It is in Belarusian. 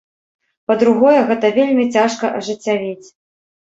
Па-другое, гэта вельмі цяжка ажыццявіць.